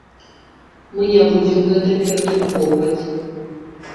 Мы не будзем гэта перадрукоўваць.